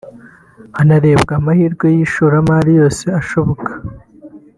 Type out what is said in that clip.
hanarebwa amahirwe y’ishoramari yose ashoboka